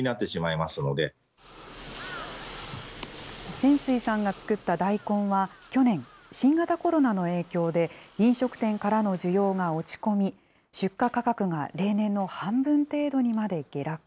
泉水さんが作った大根は、去年、新型コロナの影響で飲食店からの需要が落ち込み、出荷価格が例年の半分程度にまで下落。